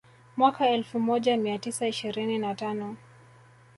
Mwaka elfu moja mia tisa ishirini na tano